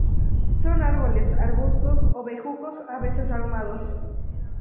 Son árboles, arbustos o bejucos, a veces armados.